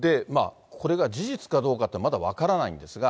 これが事実かどうかっていうのはまだ分からないんですが。